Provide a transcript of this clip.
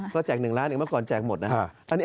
ก็แจก๑ล้านอย่างเมื่อก่อนแจกหมดนะครับ